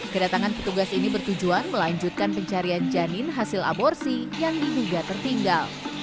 kedatangan petugas ini bertujuan melanjutkan pencarian janin hasil aborsi yang diduga tertinggal